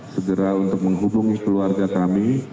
segera untuk menghubungi keluarga kami